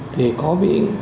thì có bị